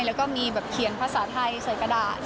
แล้วก็มีแบบเขียนภาษาไทยใส่กระดาษ